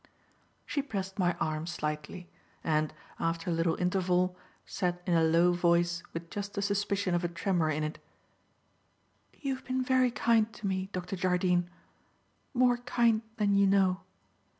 She pressed my arm slightly, and, after a little interval, said in a low voice with just the suspicion of a tremor in it: "You have been very kind to me, Dr. Jardine; more kind than you know.